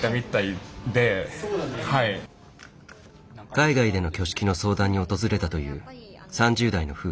海外での挙式の相談に訪れたという３０代の夫婦。